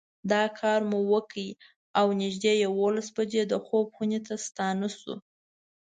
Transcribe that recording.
دا کار مو وکړ او نږدې یوولس بجې د خوب خونو ته ستانه شوو.